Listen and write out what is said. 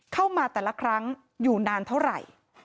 เข้ามาแต่ละครั้งอยู่นานเท่าไหร่